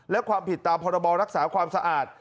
และปิดตราพรักษาความสะอาด